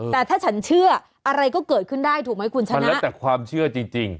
แต่ถ้าฉันเชื่ออะไรก็เกิดขึ้นได้ถูกไหมคุณชนะมันแล้วแต่ความเชื่อจริงจริง